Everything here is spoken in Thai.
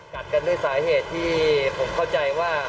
กัดกันด้วยสาเหตุที่ผมเข้าใจว่า